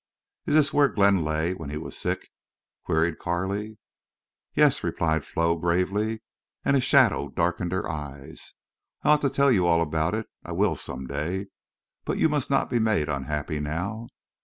"Is this where Glenn lay—when he was sick?" queried Carley. "Yes," replied Flo, gravely, and a shadow darkened her eyes. "I ought to tell you all about it. I will some day. But you must not be made unhappy now....